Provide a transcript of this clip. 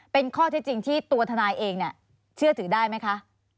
เป็นข้อเท็จจริงที่ตัวทนายเองเชื่อถือได้ไหมคะ